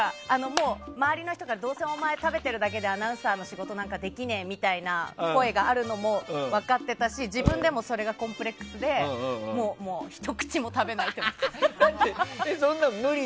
周りの人がどうせお前、食べてるだけでアナウンサーの仕事なんてできねえみたいな声があるのも分かってたし、自分でもそれがコンプレックスでひと口も食べないって言ったり。